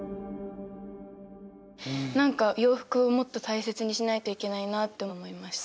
何か洋服をもっと大切にしないといけないなって思いました。